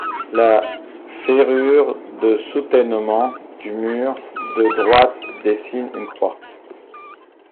La ferrure de soutènement du mur de droite dessine une croix.